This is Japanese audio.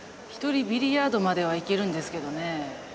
ひとりビリヤードまでは行けるんですけどね。